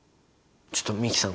ちょっと美樹さん